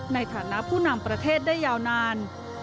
ในฐานะผู้นำประเทศได้ยาวนาน